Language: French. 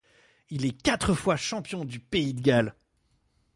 Il est quatre fois champion du pays de Galles.